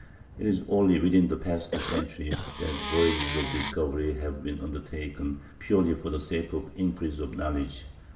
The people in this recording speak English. It is only within the past century that voyages of discovery have been undertaken purely for the sake of the increase of knowledge.